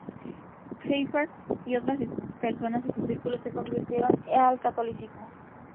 Pfeiffer y otras personas de su círculo se convirtieron al catolicismo.